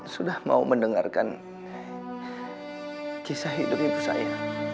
sudah mau mendengarkan kisah hidup ibu saya